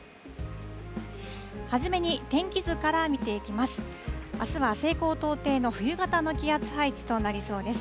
初めに天気図から見ていきます。